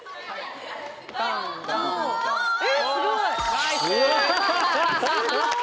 ナイスー！